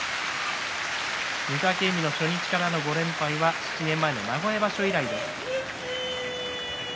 御嶽海の初日からの５連敗は７年前の名古屋場所以来です。